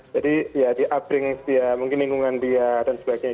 jadi ya di updrink dia mungkin lingkungan dia dan sebagainya